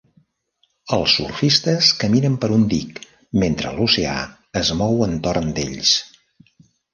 Els surfistes caminen per un dic mentre l'oceà es mou entorn d'ells.